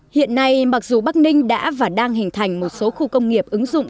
hiện nay mặc dù bắc ninh đã và đang hình thành một số khu công nghiệp ứng dụng